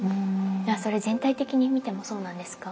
それは全体的に見てもそうなんですか？